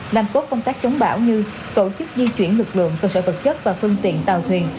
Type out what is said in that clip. làm tốt công tác chống bão như tổ chức di chuyển lực lượng cơ sở vật chất và phương tiện tàu thuyền